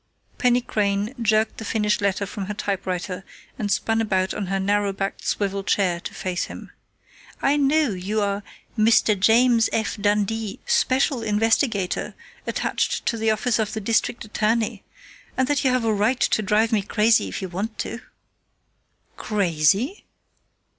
Penny Crain jerked the finished letter from her typewriter and spun about on her narrow backed swivel chair to face him. "I know you are 'Mr. James F. Dundee, Special Investigator attached to the office of the District Attorney,' and that you have a right to drive me crazy if you want to." "_Crazy?